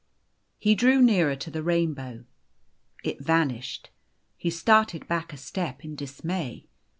He drew nearer to the rainbow. It vanished. He started back a step in dismay.